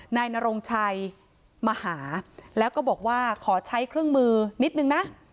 นายนรงชัยมาหาแล้วก็บอกว่าขอใช้เครื่องมือนิดนึงนะ